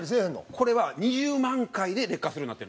これは、２０万回で劣化するようになってる。